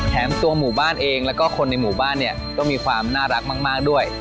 ตัวหมู่บ้านเองแล้วก็คนในหมู่บ้านเนี่ยก็มีความน่ารักมากด้วย